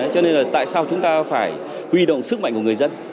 cho nên là tại sao chúng ta phải huy động sức mạnh của người dân